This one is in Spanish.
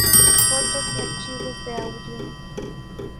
Fotos y archivos de audio